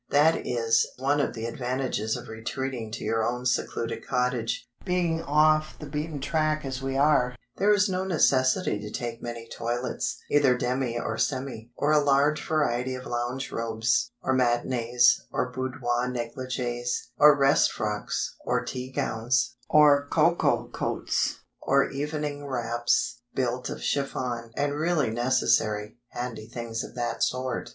That is one of the advantages of retreating to your own secluded cottage; being off the beaten track as we are, there is no necessity to take many "toilettes"—either demi or semi—or a large variety of lounge robes, or matinées, or boudoir negligées, or rest frocks, or tea gowns, or cocoa coats, or evening wraps built of chiffon, and really necessary, handy things of that sort.